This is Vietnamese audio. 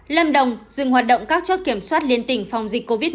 lâm đồng dừng hoạt động các chốt kiểm soát liên tỉnh phòng dịch covid một mươi